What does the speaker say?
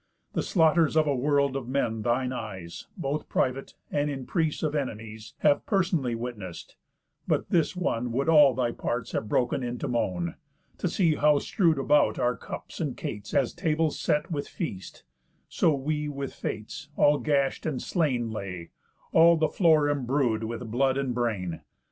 The slaughters of a world of men thine eyes, Both private, and in prease of enemies, Have personally witness'd; but this one Would all thy parts have broken into moan, To see how strew'd about our cups and cates, As tables set with feast, so we with fates, All gash'd and slain lay, all the floor embrued With blood and brain.